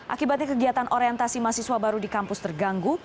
akibatnya kegiatan orientasi mahasiswa baru di kampus terganggu